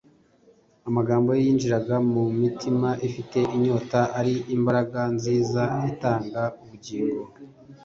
Amagambo ye yinjiraga mu mitima ifite inyota ari imbaraga nziza itanga ubugingo.